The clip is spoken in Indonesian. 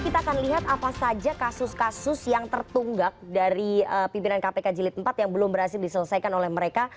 kita akan lihat apa saja kasus kasus yang tertunggak dari pimpinan kpk jilid empat yang belum berhasil diselesaikan oleh mereka